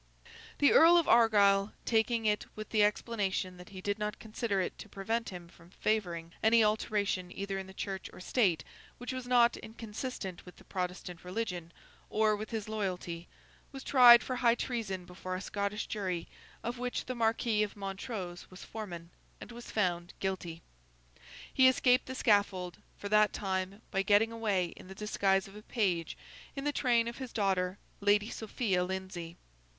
The Earl of Argyle, taking it with the explanation that he did not consider it to prevent him from favouring any alteration either in the Church or State which was not inconsistent with the Protestant religion or with his loyalty, was tried for high treason before a Scottish jury of which the Marquis of Montrose was foreman, and was found guilty. He escaped the scaffold, for that time, by getting away, in the disguise of a page, in the train of his daughter, Lady Sophia Lindsay.